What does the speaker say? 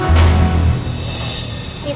semakin kamu menderita